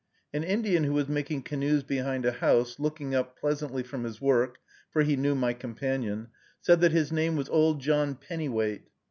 An Indian who was making canoes behind a house, looking up pleasantly from his work, for he knew my companion, said that his name was Old John Pennyweight.